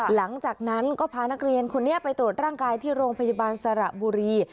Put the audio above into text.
หลังจากนั้นก็พานักเรียนคนนี้ไปตรวจร่างกายที่โรงพยาบาลสระบุรี